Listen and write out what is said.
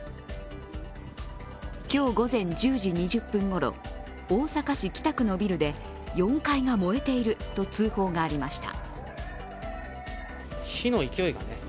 今日午前１０時２０分ごろ、大阪市北区のビルで４階が燃えていると通報がありました。